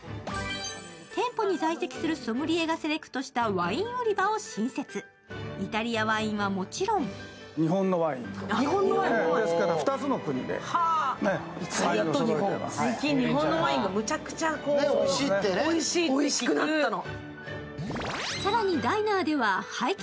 店舗に在籍するソムリエがセレクトしたワイン売り場を新設、イタリアワインはもちろん最近日本のワインがむちゃくちゃおいしくなったの。